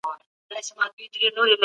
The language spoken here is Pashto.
محصن زاني ته د خپل عمل سزا ورکول کېږي.